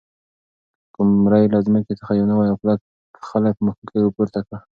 قمرۍ له ځمکې څخه یو نوی او کلک خلی په مښوکه کې پورته کړ.